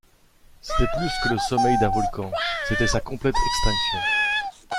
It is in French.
C’était plus que le sommeil d’un volcan, c’était sa complète extinction